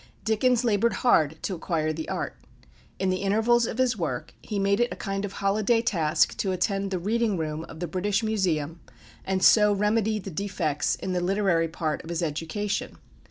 Dickens laboured hard to acquire the art. In the intervals of his work he made it a kind of holiday task to attend the Reading room of the British Museum, and so remedy the defects in the literary part of his education.